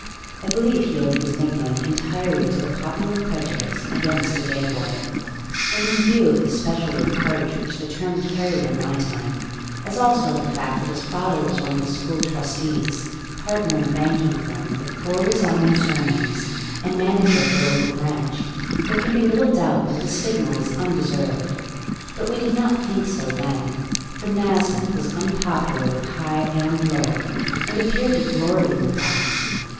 I believe he owed his nickname entirely to the popular prejudice against a day boy; and in view of the special reproach which the term carried in my time, as also of the fact that his father was one of the school trustees, partner in a banking firm of four resounding surnames, and manager of the local branch, there can be little doubt that the stigma was undeserved. But we did not think so then, for Nasmyth was unpopular with high and low, and appeared to glory in the fact.